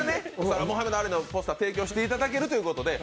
モハメド・アリのポスター提供してくださるということで。